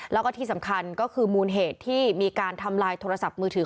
แล้วก็ที่สำคัญก็คือมูลเหตุที่มีการทำลายโทรศัพท์มือถือ